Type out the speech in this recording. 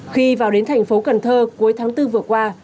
khi vào đến thành phố cần thơ cuối tháng bốn vừa qua